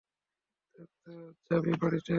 অতিরিক্ত চাবি বাড়িতে আছে।